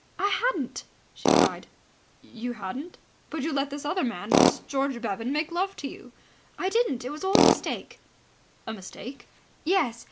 "I hadn't," she cried. "You hadn't? But you let this other man, this George Bevan, make love to you." "I didn't! That was all a mistake." "A mistake?" "Yes.